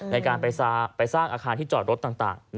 ในการไปสร้างอาคารที่จอดรถต่าง